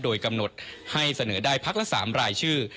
โดยกำหนดให้เสนอได้พักละ๓รายชื่อ